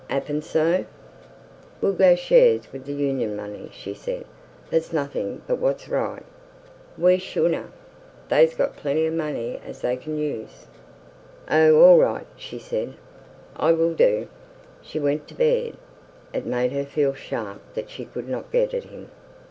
"'Appen so." "We'll go shares wi' th' Union money," she said. "That's nothing but what's right." "We shonna. Tha's got plenty o' money as tha can use." "Oh, all right," she said. "I will do." She went to bed. It made her feel sharp that she could not get at him.